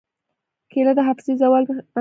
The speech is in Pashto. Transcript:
کېله د حافظې زوال مخنیوی کوي.